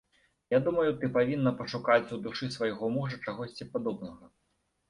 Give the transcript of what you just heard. Я думаю, ты павінна пашукаць у душы свайго мужа чагосьці падобнага.